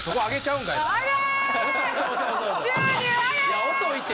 いや遅いて。